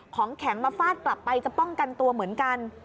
ของแข็งมาฟาดกลับไปจะป้องกันตัวเหมือนกัน